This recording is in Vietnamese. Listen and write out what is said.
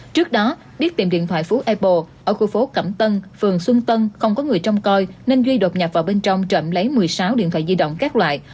trước đó biết tìm điện thoại phú able ở khu phố cẩm tân phường xuân tân không có người trông coi nên duy đột nhập vào bên trong trộm lấy một mươi sáu điện thoại di động các loại